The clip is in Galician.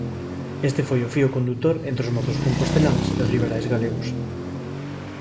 Este foi o fío condutor entre os mozos composteláns e os liberais galegos.